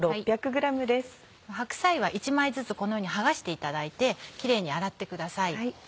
白菜は１枚ずつこのように剥がしていただいてキレイに洗ってください